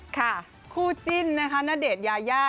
ค่ะคู่จิ้นนะคะณเดชน์ยายา